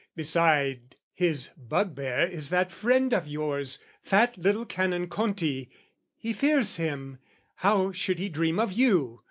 "Beside, his bugbear is that friend of yours, "Fat little Canon Conti. He fears him "How should he dream of you?